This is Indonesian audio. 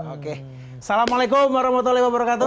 oke assalamualaikum warahmatullahi wabarakatuh